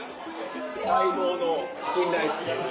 待望のチキンライス。